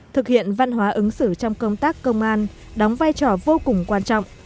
thực hiện văn hóa ứng xử trong công tác công an đóng vai trò vô cùng quan trọng